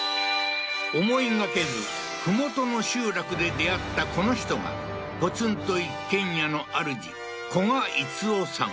思いがけず麓の集落で出会ったこの人がポツンと一軒家のあるじ古閑逸雄さん